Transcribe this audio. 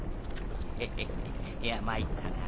ヘヘヘいや参ったな。